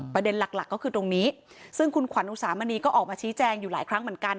ประเด็นหลักหลักก็คือตรงนี้ซึ่งคุณขวัญอุสามณีก็ออกมาชี้แจงอยู่หลายครั้งเหมือนกัน